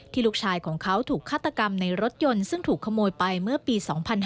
ลูกชายของเขาถูกฆาตกรรมในรถยนต์ซึ่งถูกขโมยไปเมื่อปี๒๕๕๙